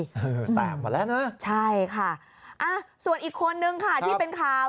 เออแตกมาแล้วนะใช่ค่ะส่วนอีกคนนึงค่ะที่เป็นข่าว